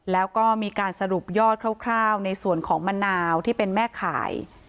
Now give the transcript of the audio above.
แล้วก็มีการสรุปยอดคร่าวในส่วนของมะนาวที่เป็นแม่ขาย